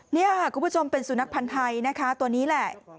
นี่คุณผู้ชมเป็นศูนย์นักพันธ์ไทยตัวนี้แหละ